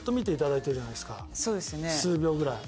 数秒ぐらい。